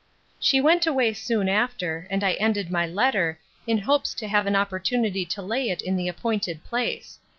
She went away soon after, and I ended my letter, in hopes to have an opportunity to lay it in the appointed place.